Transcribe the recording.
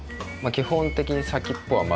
基本的に先っぽは丸。